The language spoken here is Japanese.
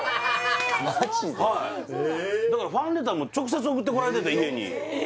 ・ええはいだからファンレターも直接送ってこられてて家にええ